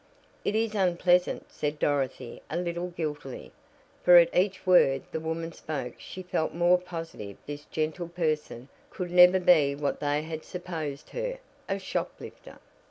"It is unpleasant," said Dorothy a little guiltily, for at each word the woman spoke she felt more positive this gentle person could never be what they had supposed her a shoplifter.